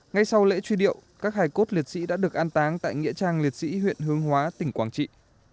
ngay sau lễ truy điệu các hải cốt liệt sĩ đã được an táng tại nghĩa trang liệt sĩ huyện hướng hóa tỉnh quảng trị